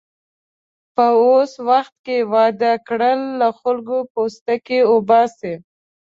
په اوس وخت کې واده کړل، له خلکو پوستکی اوباسي.